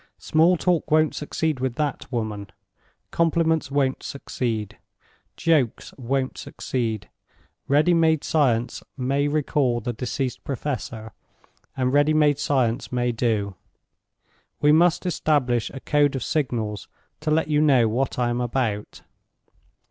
Small talk won't succeed with that woman; compliments won't succeed; jokes won't succeed—ready made science may recall the deceased professor, and ready made science may do. We must establish a code of signals to let you know what I am about.